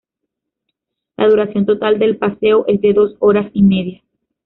La duración total del paseo es de dos horas y media.